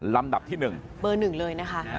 การสอบส่วนแล้วนะ